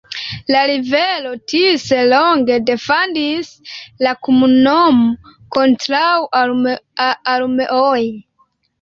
La rivero Tiso longe defendis la komunumon kontraŭ armeoj.